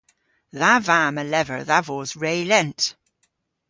Dha vamm a lever dha vos re lent.